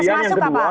kemudian yang kedua